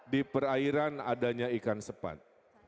di perairan adanya ikan sepat